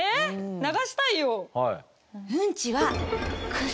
流したいよ。